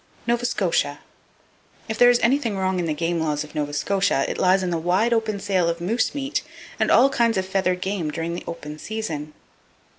Nova Scotia. —If there is anything wrong with the game laws of Nova Scotia, it lies in the wide open sale of moose meat and all kinds of feathered game during the open season.